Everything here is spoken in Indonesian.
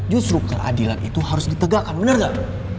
justru ketidakadilan itu harus ditegakkan bener gak